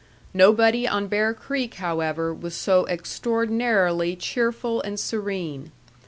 Nobody on Bear Creek, however, was so extraordinarily cheerful and serene.